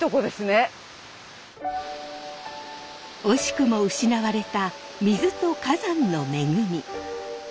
惜しくも失われた水と火山の恵み。